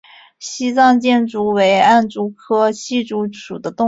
西藏隙蛛为暗蛛科隙蛛属的动物。